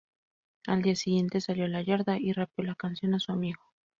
Al día siguiente, salió a la yarda y rapeo la canción a su amigo.